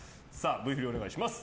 Ｖ振りお願いします。